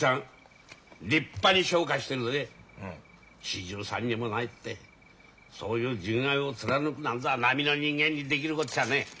４３にもなってそういう純愛を貫くなんざ並の人間にできるこっちゃねえ。